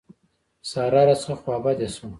سارا راڅخه خوابدې شوه.